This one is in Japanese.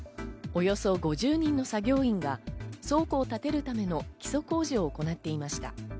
およそ５０人の作業員が倉庫を立てるための基礎工事を行っていました。